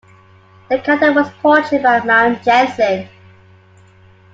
The character was portrayed by Maren Jensen.